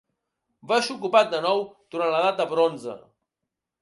Va ser ocupat de nou durant l'edat de bronze.